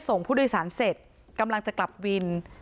ส่งผู้โดยสารเสร็จกำลังจะกลับวิน